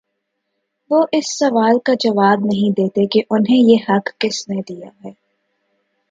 وہ اس سوال کا جواب نہیں دیتے کہ انہیں یہ حق کس نے دیا ہے۔